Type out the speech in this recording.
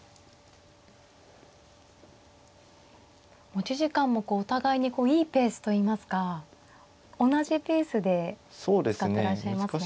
持ち時間もこうお互いにいいペースといいますか同じペースで使ってらっしゃいますね。